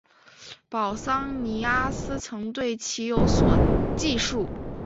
保桑尼阿斯曾对其有所记述。